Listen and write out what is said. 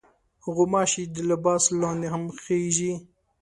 غوماشې د لباس لاندې هم خېژي.